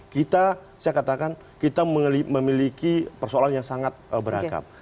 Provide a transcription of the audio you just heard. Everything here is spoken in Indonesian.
kita saya katakan kita memiliki persoalan yang sangat beragam